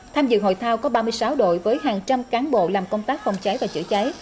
tham dự hội thao có ba mươi sáu đội với hàng trăm cán bộ làm công tác phòng cháy và chữa cháy